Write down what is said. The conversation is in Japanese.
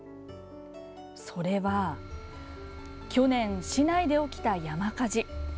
それは去年、市内で起きた山火事。